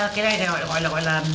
cái này gọi là